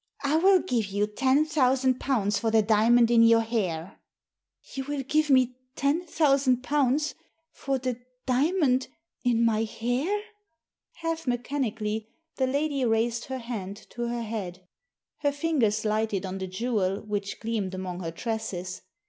I will give you ten thousand pounds for the diamond in your hair !" "You will give me ten thousand pounds — for the diamond — in my hair?" Half mechanically the lady raised her hand to her head Her fingers lighted on the jewel which gleamed among her tresses.